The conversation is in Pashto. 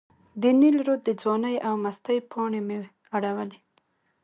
د نیل رود د ځوانۍ او مستۍ پاڼې مې اړولې.